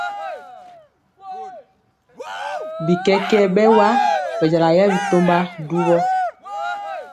Bikɛkɛɛ bɛwa bɛjala yɛ ɓɛtɔmba duwo.